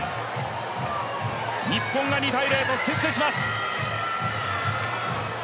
日本が２−０と先制します！